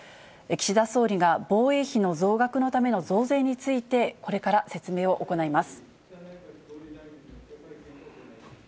岸田総理が防衛費の増額のための増税について、これから説明を行います。